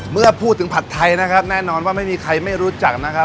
เมื่อพูดถึงผัดไทยนะครับแน่นอนว่าไม่มีใครไม่รู้จักนะครับ